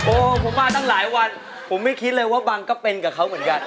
ผมมาตั้งหลายวันผมไม่คิดเลยว่าบังก็เป็นกับเขาเหมือนกัน